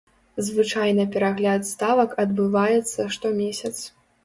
Звычайна перагляд ставак адбываецца штомесяц.